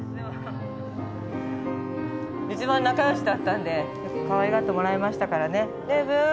一番仲よしだったんでかわいがってもらいましたからね。